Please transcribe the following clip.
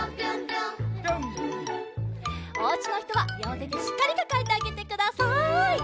おうちのひとはりょうてでしっかりかかえてあげてください。